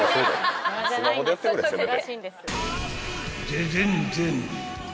［ででんでん］